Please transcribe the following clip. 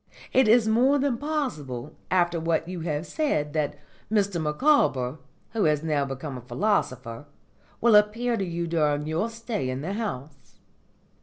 It is more than possible, after what you have said, that Mr Micawber, who has now become a philosopher, will appear to you during your stay in the house.